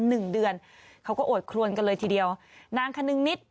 หนึ่งเดือนเขาก็โอดครวนกันเลยทีเดียวนางคนึงนิด